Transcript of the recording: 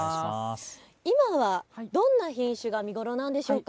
今どんな品種が見頃なんでしょうか。